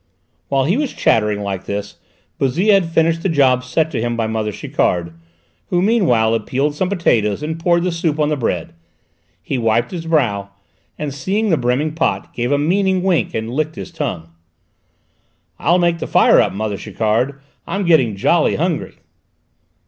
While he was chattering like this Bouzille had finished the job set him by mother Chiquard, who meanwhile had peeled some potatoes and poured the soup on the bread. He wiped his brow, and seeing the brimming pot, gave a meaning wink and licked his tongue. "I'll make the fire up, mother Chiquard; I'm getting jolly hungry."